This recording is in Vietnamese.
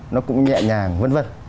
nó cũng nhẹ nhàng v v